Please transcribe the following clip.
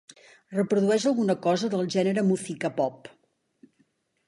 Reprodueix alguna cosa del gènere Muzyka pop